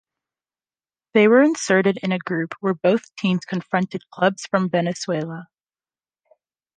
They were inserted in a group where both teams confronted clubs from Venezuela.